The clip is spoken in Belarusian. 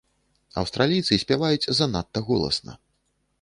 Аўстралійцы спяваюць занадта голасна.